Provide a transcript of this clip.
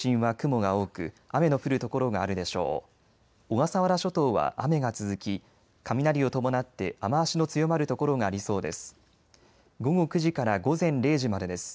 小笠原諸島は雨が続き雷を伴って雨足の強まる所がありそうです。